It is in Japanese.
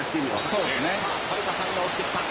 はるかさんが押してきた。